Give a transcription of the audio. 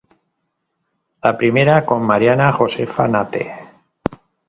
La primera con Mariana Josefa Nate.